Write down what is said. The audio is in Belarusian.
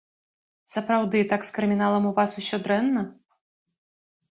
Сапраўды, так з крыміналам у вас усё дрэнна?